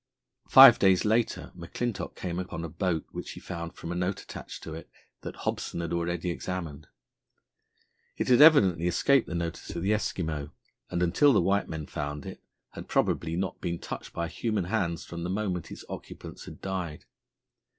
Five days later McClintock came upon a boat which he found, from a note attached to it, that Hobson had already examined. It had evidently escaped the notice of the Eskimo, and, until the white men found it, had probably not been touched by human hands from the moment its occupants had died.